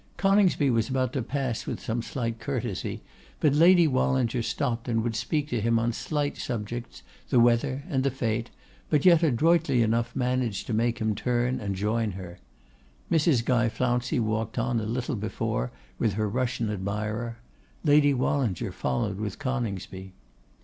Coningsby was about to pass with some slight courtesy, but Lady Wallinger stopped and would speak to him, on slight subjects, the weather and the fête, but yet adroitly enough managed to make him turn and join her. Mrs. Guy Flouncey walked on a little before with her Russian admirer. Lady Wallinger followed with Coningsby.